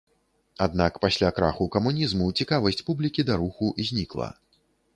Аднак пасля краху камунізму цікавасць публікі да руху знікла.